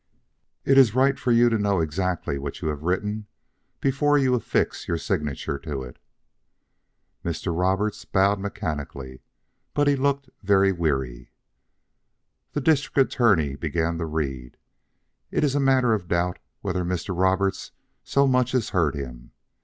It is right for you to know exactly what you have written before you affix your signature to it." Mr. Roberts bowed mechanically, but he looked very weary. The District Attorney began to read. It is a matter of doubt whether Mr. Roberts so much as heard him.